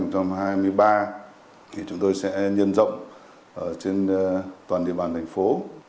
thì chúng tôi sẽ nhân rộng trên toàn địa bàn thành phố